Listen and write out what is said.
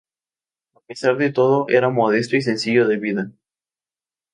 A pesar de todo era modesto y sencillo de vida.